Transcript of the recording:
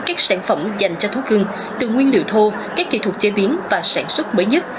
các sản phẩm dành cho thú cưng từ nguyên liệu thô các kỹ thuật chế biến và sản xuất mới nhất